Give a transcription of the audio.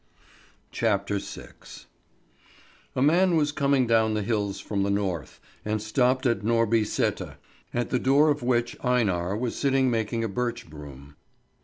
CHAPTER VI A MAN was coming down the hills from the north, and stopped at Norby Sæter, at the door of which Einar was sitting making a birch broom.